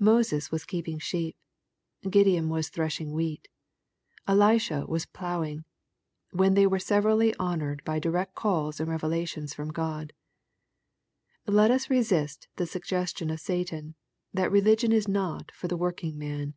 Moses was keeping sheep, — ^Gideon was threshing wheat,— Elisha was ploughing, when they were severally honored by direct calls and revelations from God. Let us resist the suggestion of Satan, that religion is not for the working man.